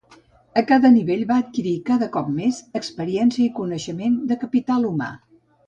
A cada nivell van adquirir cada cop més experiència i coneixement de capital humà.